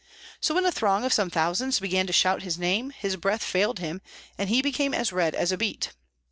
So when a throng of some thousands began to shout his name, his breath failed him, and he became as red as a beet.